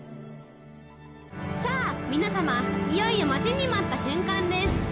さあ、皆様、いよいよ待ちに待った瞬間です。